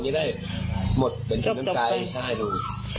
อย่าได้หมดเป็นชีวิตน้ำชายถ้าให้ดู